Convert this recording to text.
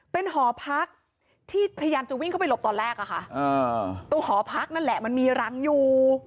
เป็นหอพักที่พยายามจะวิ่งเข้าไปหลบตอนแรกอะค่ะตรงหอพักนั่นแหละมันมีรังอยู่